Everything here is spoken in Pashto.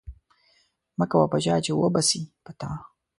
مکوه په چاه چې و به سي په تا.